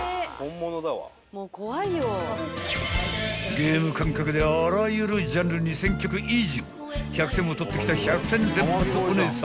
［ゲーム感覚であらゆるジャンル２，０００曲以上１００点を取ってきた１００点連発おねえさん］